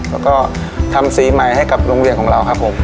แล้วก็ทำสีใหม่ให้กับโรงเรียนของเราครับผม